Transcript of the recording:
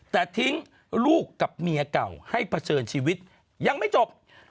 แต่ทิ้งลูกกับเมียเก่าให้เผชิญชีวิตยังไม่จบ